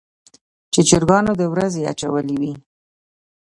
چې چرګانو د ورځې اچولې وي.